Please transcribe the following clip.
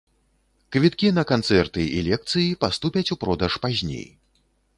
Квіткі на канцэрты і лекцыі паступяць у продаж пазней.